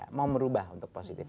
kita mau merubah untuk positif